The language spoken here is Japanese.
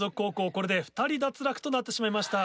これで２人脱落となってしまいました。